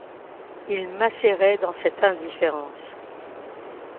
il macérait dans cette indifférence.